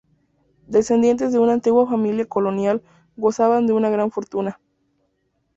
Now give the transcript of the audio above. Descendiente de una antigua familia colonial gozaba de una gran fortuna.